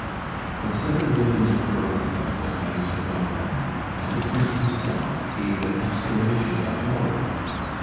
The seven women of Ferrara, the friends of Don Juan, and the prince himself gave an exclamation of horror.